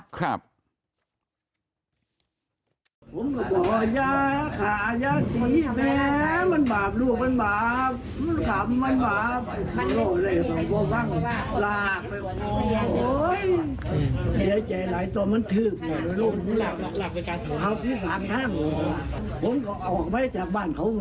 ครับ